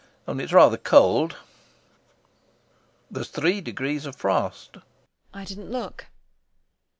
Only it's rather cold.... There's three degrees of frost. VARYA. I didn't look.